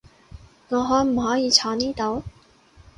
我可唔可以坐呢度？